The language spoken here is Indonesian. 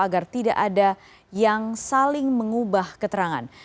agar tidak ada yang saling mengubah keterangan